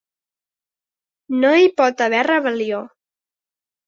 No hi pot haver rebel·lió.